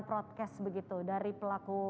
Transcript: protkes begitu dari pelaku